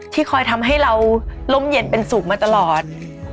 คอยทำให้เราร่มเย็นเป็นสุขมาตลอด